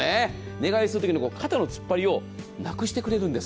寝返りするときに肩のつっぱりをなくしてくれるんです。